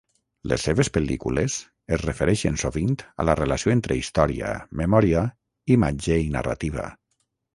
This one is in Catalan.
Les seves pel·lícules es refereixen sovint a la relació entre història, memòria, imatge i narrativa.